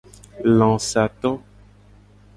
Lasato.